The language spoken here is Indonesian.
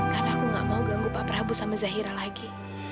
karena aku gak mau ganggu pak prabu sama zaira lagi